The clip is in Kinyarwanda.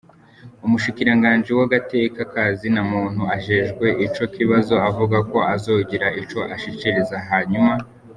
Umushikiranganji w'agateka ka zinamuntu ajejwe ico kibazo avuga ko azogira ico ashikirije hanyuma.